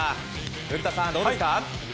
古田さん、どうですか？